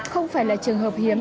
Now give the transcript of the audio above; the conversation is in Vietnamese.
không phải là trường hợp hiếm